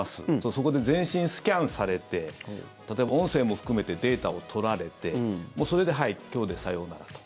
そこで全身スキャンされて例えば音声も含めてデータを取られてそれではい、今日でさようならと。